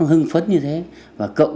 hưng phấn như thế và cộng